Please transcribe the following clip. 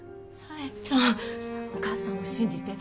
冴ちゃんお母さんを信じて。